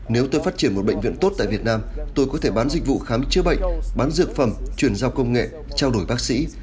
nếu tôi phát triển một bệnh viện tốt tại việt nam tôi có thể bán dịch vụ khám chữa bệnh bán dược phẩm chuyển giao công nghệ trao đổi bác sĩ